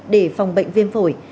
để phòng bệnh viêm phổi